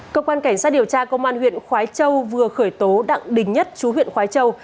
cơ quan cảnh sát điều tra công an huyện khói châu vừa khởi tố đặng đình nhất chú huyện khói châu